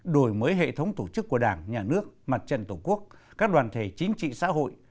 đổi mới hệ thống tổ chức của đảng nhà nước mặt trận tổ quốc các đoàn thể chính trị xã hội